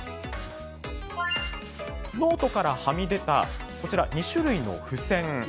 ノートからはみ出たこちら２種類のふせん。